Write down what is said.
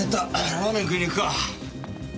ラーメン食いに行くか。